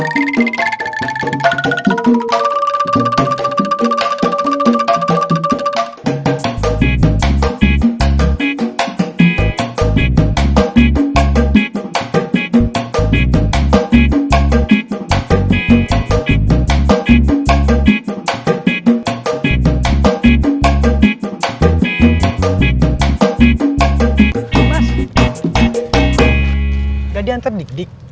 jadi antar dik dik